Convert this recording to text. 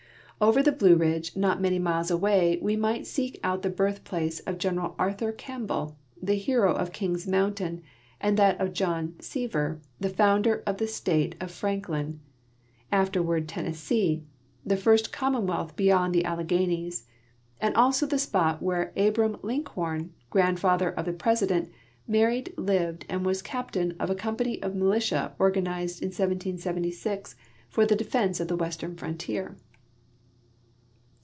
Over the Blue Ridge, not many miles away, we might s<'ek out tbe birthplace of General Arthur Campbell, the hero ol' Kings Moun tain, and that of John Sevier, the founder of the state of Frank 280 ALBEMARLE IN REVOLUTIONARY DAYS lin, afterward Tennessee, the first commonwealth beyond the Alleghanies, and also the spot where Abram Linkhorn, grand father of the President, married, lived, and was captain of a company of militia organized in 1776 for the defence of the western frontier.